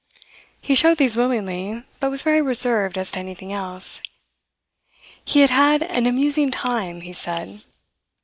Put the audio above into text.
He showed these willingly, but was very reserved as to anything else. He had had an "amusing time," he said.